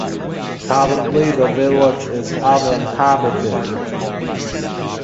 Currently the village is uninhabited.